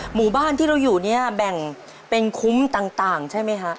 หมู่บ้านที่เราอยู่เนี่ยแบ่งเป็นคุ้มต่างใช่ไหมฮะ